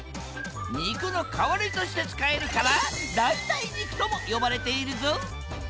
肉の代わりとして使えるから代替肉とも呼ばれているぞ！